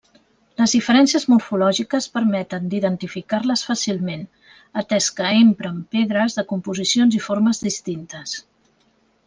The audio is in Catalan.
Les diferències morfològiques permeten d'identificar-les fàcilment, atès que empren pedres de composicions i formes distintes.